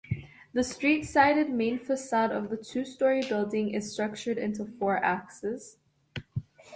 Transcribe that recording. The street-sided main facade of the two-story building is structured into four axes.